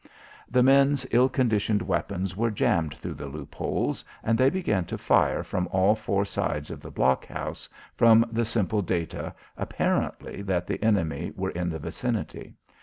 The men's ill conditioned weapons were jammed through the loop holes and they began to fire from all four sides of the blockhouse from the simple data, apparently, that the enemy were in the vicinity.